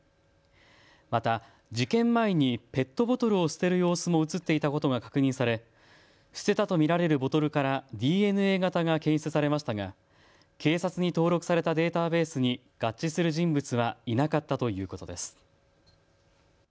また事件前にペットボトルを捨てる様子も写っていたことが確認され捨てたと見られるボトルからＤＮＡ型が検出されましたが警察に登録されたデータベースに合致する人物はいなかったということです。